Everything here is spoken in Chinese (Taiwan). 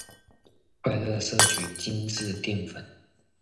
快樂攝取精緻澱粉